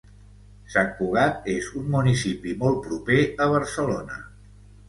Sant Cugat és un municipi molt proper a Barcelona.